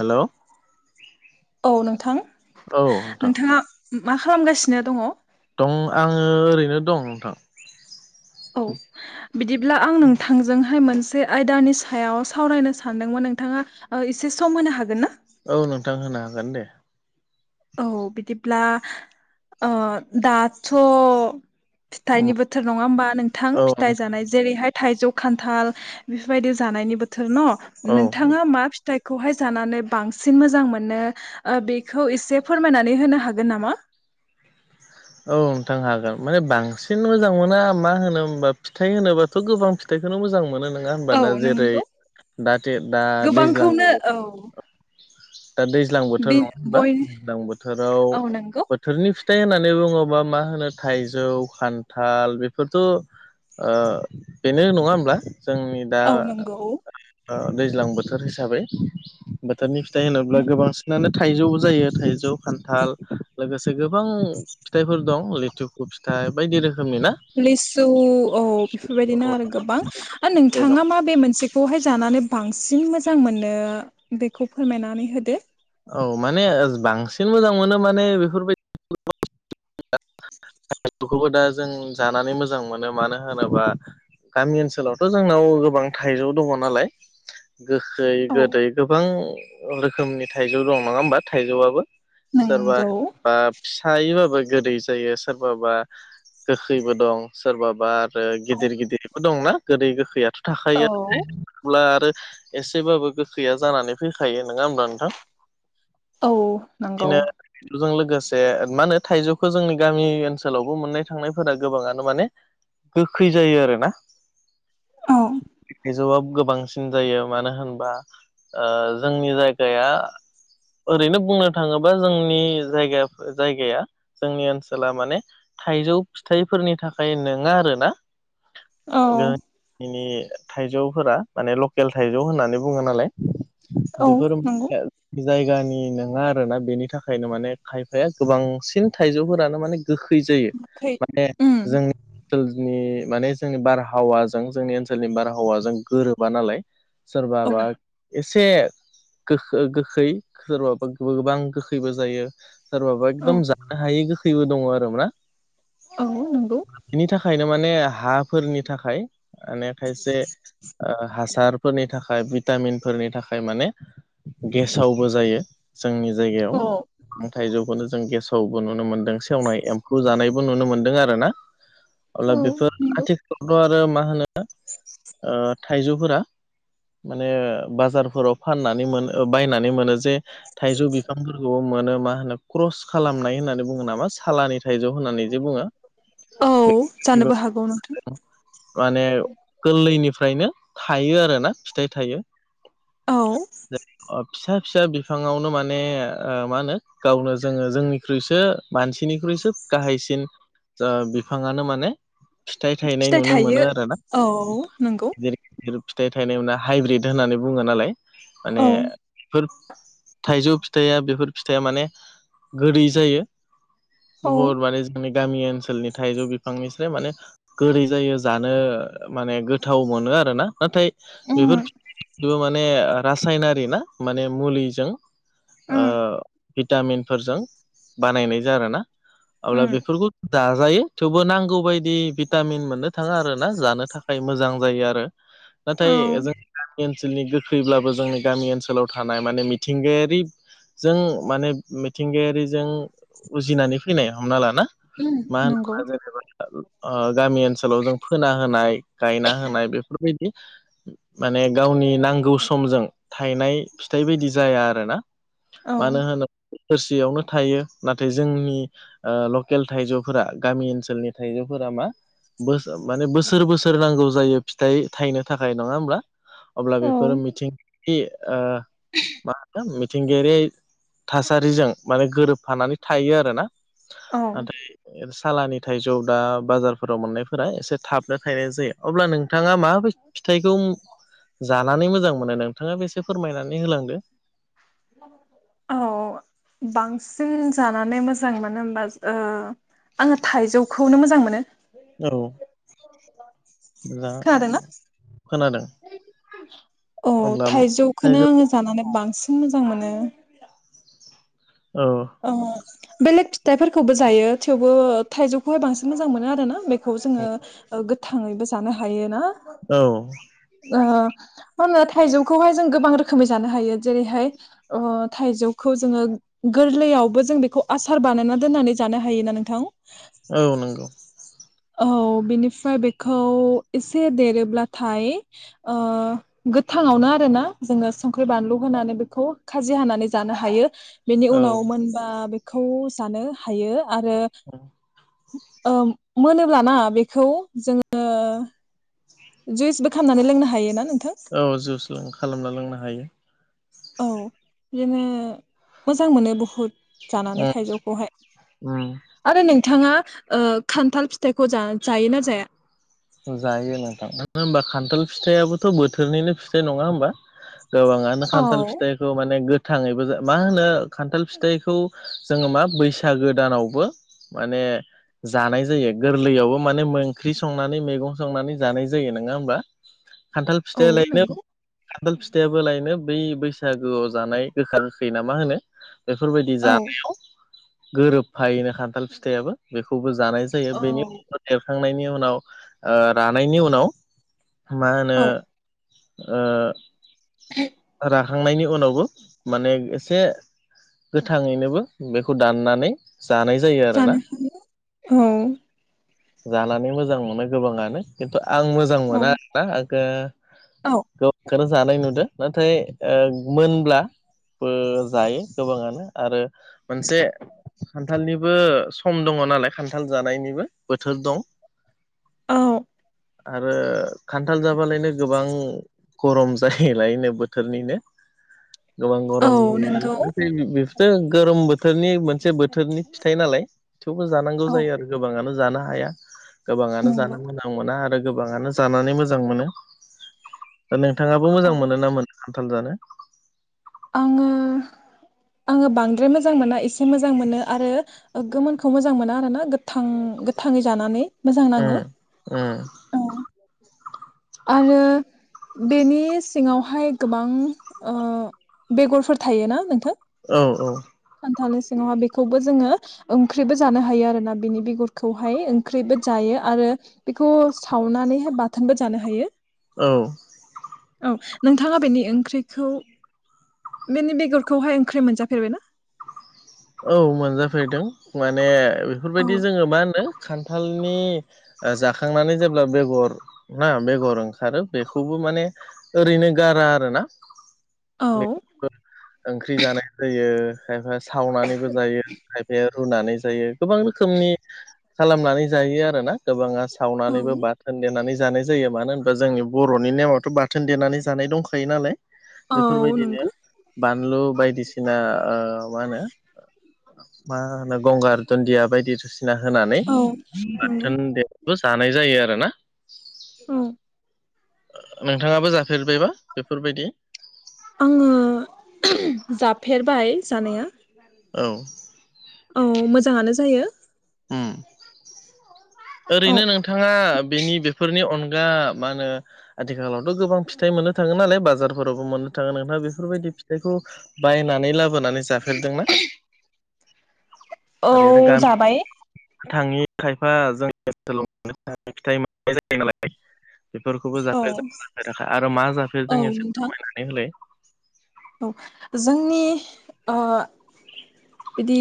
Hello औ नोंथां औ नोंथां नोंथाङा मा खालामगासिनो दङ दं आङो ओरैनो दं नोंथां औ बिदिब्ला आं नोंथांजोंहाय मोनसे आयदानि सायाव सावरायनो सानदोंमोन नोंथाङा ओ एसे सम होनो हागोनना औ नोंथां होनो हागोन दे औ बिदिब्ला ओ दाथ फिथाइनि बोथोर नङा होमबा नोंथां औ फिथाइ जानाय जेरैहाय थाइजौ खान्थाल बेफोरबायदि जानायनि बोथोर औ न नोंथाङा मा फि फिथाइखौहाय जानानै बांसिन मोजां मोनो बेखौ एसे फोरमायनानै होनो हागोन नामा औ नोंथां हागोन माने बांसिन मोजां मोना मा होनो होमबा फिथाइ होनोबाथ गोबां फिथाइखौनो मोजां मोनो नोंथां नोङा औ होनबा दा जेरै नंगौ दाथे दा गोबांखौनो दैज्लांबो औ दा दैज्लां बोथोर बे नङा होनबा बय दैज्लां बोथोराव औ नंगौ। बोथोरनि फिथाइ होननानै बुङोबा मा होनो थाइजौ खान्थाल बेफोरथ' ओ बेनो नङा होमब्ला जोंनि दा औ नंगौ दैज्लां बोथोर हिसाबै बोथोरनि फिथाय होनोब्ला गोबांसिनानो थाइजौबो जायो थाइजौ खान्थाल लोगोसे गोबां फिथाइफोर दं लेथु लिसु औ बेफोरबायदिनो औ आरो गोबां नोंथाङा मा बे मोनसे बेवहाय जानानै बांसिन मोजां मोनो बेखौ फोरमायनानै होदो औ माने बांसिन मोजां मोनो माने बेफोरबायदि खौबो दा जों जानानै मोजां मोनो मानो होनोबा गामि ओनसोलावथ' जोंनाव गोबां थाइजौ दङ' नालाय गोखै औ गोदै गोबां रोखोमनि थाइजौ दं नङा होमबा थाइजौआबो सोरबा नंगौ बा हायोबाबो गोदै जायो सोरबाबा गोखैबो दं सोरबाबा आरो औ गिदिर गिदिरबो दंना गोदै गोखैयाथ' थाखायो अब्ला आरो एसेबाबो गोखैया जानानै फैखायो नङा होमब्ला नोंथां औ नंगौ बेजों लोगोसे माहोनो थाइजौखौ जोंनि गामि ओनसोलावबो मोननाय थांनायफोरा गोबाङानो माने गोखै जायो आरो ना औ थाइजौआ गोबांसिन कम [unintelligible] जायो मानो होनबा ओ जोंनि जायगाया ओरैनो बुंनो थाङोबा जोंनि जायगा जायगाया जोंनि ओनसोला माने थाइजौ फिथाइफोरनि थाखाय नोङा आरो ना औ गोदोनि [unintelligible] थाइजौफोरा माने लकेल थाइजौ होननानै बुङो नालाय औ बेफोर नंगौ [unintelligible] जायगानि नङा आरोना बेनि थाखायनो माने खायफाया गोबांसिन थाइजौफोरानो माने गोखै जायो खै माने उम जों ओनसोलनि माने जोंनि बारहावाजों जोंनि ओनसोलनि बारहावाजों गोरोबा नालाय सोरबा औ बा एसे गो गोखै सोरबा गोबां गोखैबो जायो सोरबाबा औ एखदम जानो हायि गोखैबो दङ आरो मा औ नोंगौ बिनि थाखायनो माने हाफोरनि थाखाय माने खायसे हासार फोरनि थाखाय भिटामिनफोरनि थाखाय माने गेसावबो जायो जोंनि औ जायगायाव गोबां थाइजौखौनो जों गेसावबो नुनो मोनदों सेवनाय एम्फौ जानायबो नुनो मोनदों आरो ना औ अब्ला बेफोर नंगौ आथिखालावथ' आरो मा होनो ओ थाइजौफोरा माने बाजारफोराव फाननानै मोनो बायनानै मोनो जे थाइजौ बिफांफोरखौबो मोनो मा होनो क्रस खालामनाय होननानै बुङो नामा सालानि थाखाय थाइजौ होननानै जे बुङो औ जानोबो हागौ नोंथां माने गोरलैनिफ्रायनो थायो आरोना फिथाइ थायो [unintelligible] औ फिसा फिसा बिफाङावनो माने ओ मा होनो गावनो जोङो जोंनिख्रुइसो मानसिनिख्रुइसो गाहायसिन जो बिफाङानो माने फिथाइ थायनाय नुनो मोनो आरोना औ नंगौ बिफोर फिथाइ थायनायावनो हाइब्रिद होननानै बुङो नालाय माने औ फोर थाइजौ फिथाया बेफोर फिथाया माने गोदै जायो औ बहुत माने जोंनि गामि ओनसोलनि थाइजौ बिफांनिस्राय माने गोदै जायो जानो माने गोथाव मोनो आरो ना नाथाय बेफोर उम बेबो माने रासायनारि ना माने मुलिजों ओ उम भिटामिनफोरजों बानायनाय जा आरोना अब्ला उम बेफोरखौ जाजायो थेवबो नांगौ बायदि भिटामिन मोननो थाङा आरो ना जानो था खाय मोजां जायो आरो औ नाथाय जों गामि ओनसोलनि गोखैब्लाबो जोंनि गामि ओनसोलाव थानाय माने मिथिंगायारिजों माने मिथिंगायारिजों उजिनानै फैनाय हमना लाना उम मा होन नंगौ [unintelligible] ओ गामि ओनसोलाव जों फोना होनाय गायना होनाय बेफोरबायदि माने गावनि नांगौ समजों थायनाय फिथाइ बायदि जाया आरो ना औ मानो होनोब्ला सेयावनो थायो नाथाय जोंनि ओ लकेल थाइजौफोरा गामि ओनसोलनि थाइजौफोरा मा बो माने बोसोर बोसोर नांगौ जायो फिथाइ थायनो थाखाय नङा होमब्ला अब्ला औ बेफोरो मिथिंगायारि ओ मा होनो मिथिंगायारि थासारिजों माने गोरोबफानानै थायो आरोना औ नाथाय सालानि थाइजौ दा बाजारफोराव मोननायफोरा एसे थाबनो थायनाय जायो अब्ला नोंथाङा माबाय फिथाइखौ जानानै मोजां मोनो नोंथाङाबो एसे फोरमायनानै होलांदो औ बांसिन जानानै मोजां मानो होनबा ओ आङो थाइजौखौनो मोजां मोनो औ मोजां खोनादोंना खोनादों औ अब्ला थाइजौ थाइजौखौनो आङो जानानै बांसिन मोजां मोनो औ ओ बेलेग फिथाइफोरखौबो जायो थेवबो थायजौखौहाय बांसिन मोजां मोनो आरो ना बे खौ जोङो गोथाङैबो जानो हायो ना औ ओ मा होनो थाइजौखौहाय जों गोबां रोखोमै जानो हायो जेरैहाय ओ थाइजौखौ जोङो गोरलैयावबो जों बेखौ आसार बानायना दोननानै जानो हायोना नोंथां औ नंगौ औ बिनिफ्राय बेखौ एसे देरोब्लाथाय ओ गोथाङावनो आरो ना जोङो संख्रि बानलु होनानै बेखौ खाजि हानानै जानो हायो बेनि औ उनाव मोनबा बेखौ जानो हायो आरो ओ मोनोब्लाना बेखौ जोङो जुइसबो खालामामनानै लोंनो हायो ना नोंथां औ जुसबो खालामना लोंनो हायो औ बिदिनो मोजां मोनो बुहुद जानानै उम उम जायो थाइजौखौहाय आरो नोंथाङा ओ खान्थाल फिथाइखौ जा जायोना जाया जायो नोंथां मानो होनबा खान्थाल फिथायाबो बोथोरनिनो फिथाइ नङा होमबा गोबाङानो औ खान्थाल फिथाइ खौ माने गोथाङैबो मा होनो खान्थाल फिथाइखौ जोङो मा बैसागो दानावबो माने जानाय जायो गोरलैयावबो माने ओंख्रि सं नानै मैगं संनानै जानाय जायो नोङा होमबा खान्थाल औ फिथायालायनो नंगौ खान्थाल फिथायाबोलायनो बै बैसागोआव जानाय गोखा गोखै ना मा होनो बेफोरबायदि औ जानायाव गोरोबफायोनो खान्थाल फिथायाबो बेखौबो जानाय जायो बेनि उनाव देरखांनायनि उनाव रानायनि उनाव मा होनो औ ओ रा खांनायनि उनावबो माने एसे गोथाङैनोबो बेखौ दाननानै जानाय जायो आरोना जानो औ जानानै मोजां मोनो गोबाङानो खिन्थु आं मोजां औ मोना आरोना आङो औ गोबांखौनो जानाय नुदों नाथाय मोनब्ला बो जायो गोबाङानो आरो मोनसे खान्थालनिबो सम दङ नालाय खान्थाल जानायनिबो बोथोर दं औ आरो खान्थाल जाबालायनो गोबां गरम जायोलायनो बोथोरनिनो गोबां औ गरम नंगौ जायो बेफोरो गोरोम बोथोरनि मोनसे बोथोरनि फिथाइ नालाय थेवबो जानांगौ औ जायो आरो गोबाङानो जानो हाया गोबाङानो जानो नंगौ मोजां मोना आरो गोबाङानो जानानै मोजां मोनो दा नोंथाङाबो मोजां औ मोनो ना मोना खान्थाल जानो आङो आङो बांद्राय मोजां मोना एसे मोजां मोनो आरो गोमोनखौ मोजां मोना आरोना गोथां गोथाङै जानानै मोजां उ नाङो। उ औ आरो बेनि सिङावहाय गोबां बेगरफोर थायोना नोंथां औ औ खान्थालनि सिङावहा बेखौबो जोङो ओंख्रिबो जानो हायो आरो ना बेनि बेगुरखौहाय ओंख्रिबो जायो आरो बेखौ सावनानैहाय बाथोनबो जानो हायो औ औ नोंथाङा बेनि ओंख्रिखौ बेनि बेगरखौहाय ओंख्रि मोनजफेरबाय ना औ मोनजाफेरदों माने बेफोरबायदि औ जोङो मा होनो खान्थालनि जाखांनानै जेब्ला बेगर ना बेगर ओंखारो बेखौबो माने ओरैनो गारा आरोना औ बेखौ ओंख्रि जानाय जायो खायफा सावनानैबो जायो खायफाया रुनानै जायो गोबां रोखोमनि खालामनानै जायो आरो ना गोबाङा औ सावनानैबो बाथोन देनानै जानाय जायो मानो होनोबा जोंनि बर'नि नेमावथ' बाथोन देनानै जानाय दंखायो नालाय औ बेफोरबायदिनो नंगौ बानलु बायदिसिना मा होनो मा होनो गंगार दुनदिया बायदिसि ना होनानै औ नंगौ बाथोन देनाबो जानाय जायो आरोना औ नोंथाङाबो जाफेरबायबा बेफोरबायदि? आङो जाफेरबाय जानाया औ औ मोजाङानो जायो औ ओरैनो नों थाङा बेनि बेफोरनि अनगा मा होनो आथिखालावथ' गोबां फिथाइ मोननो थाङो नालाय बाजारफोरावबो मोननो थाङो नोंथां बेफोरबायदि फिथाइखौ बायनानै लाबोनानै जाफेरदों ना औ जाबाय [unintelligible] बेफोरखौबो जाफेर औ जाफेराखै आरो मा औ जाफेरदों एसे नोंथां फोरमायनानै होलाय औ जोंनि ओ बिदि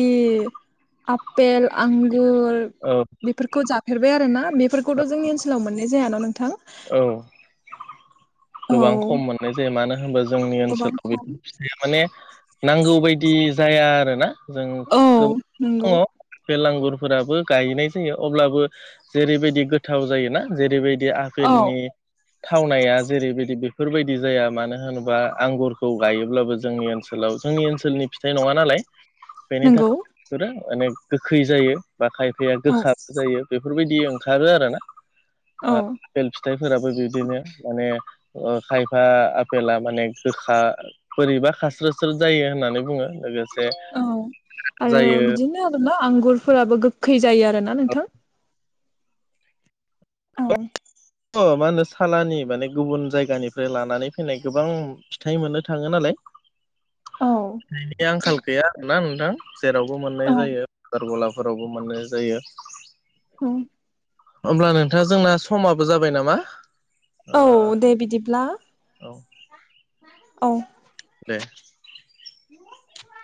आपेल आंगुर औ। बेफोरखौ जाफेरबाय आरोोना बेफोरखौथ' जोंनि ओनसोलाव मोननाय जायाना नोंथां। औ औ गोबां खम मोननाय जायो मानो होनबा जोंनि गोबां ओनसोलनि खम माने नांगौ बायदि जाया आरोना जों औ नंगौ गोबां बे लांगुरफोराबो गायनाय जायो अब्लाबो जेरैबायदि गोथाव जायोना जेरैबादि औ फिल्दमि थावनाया जेरैबायदि बेफोरबायदि जाया मानो होनोबा आंगुरखौ गायोब्लाबो जोंनि ओनसो ओनसोलाव जोंनि ओनसोलनिथाइ नङा नालाय [inaudible] बेनि थाखाय बि [unintelligible] मानेे गोखै जायो बा खायफायााया औ गोखा जायो। बेफोरबिदि ओंखारो आरोना औ ओ फोराबो बिदिनो माने खायफा आफेला माने गोखा बोरैबा खास्रोस्रो जायो होननानै बुङो लोगोसे औ आरो जायो बिदिनो आरोना आंगुरफोराबो गोखै जायो आरोना अ नोंथां। औ। अ मा होनो सालानि माने गुबुन जायगानिफ्राय लानानै फैनाय गोबां फिथाइ मोननो थाङो नालाय। [inaudible] औ नि आंखाल गैया आरोना नोंथां जेरावबो औ मोननाय जायो बाजार गलाफोराव फोरावबो मोननाय जायो। औ। होमब्ला नोंथाङा जोंना समाबो जाबाय नामा? ओ औ दे बिदिब्ला। औ। औ। दे [unintelligible]